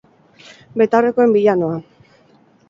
Betaurrekoen bila noa.